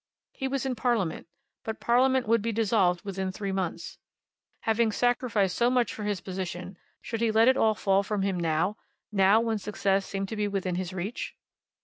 He was in Parliament, but Parliament would be dissolved within three months. Having sacrificed so much for his position, should he let it all fall from him now, now, when success seemed to be within his reach?